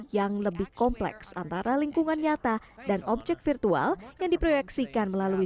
yang lebih kompleks antara lingkungan nyata dan objek virtual yang diproyeksikan melalui